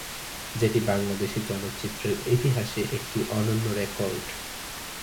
যেটি বাংলাদেশি চলচ্চিত্রের ইতিহাসে একটি অনন্য রেকর্ড।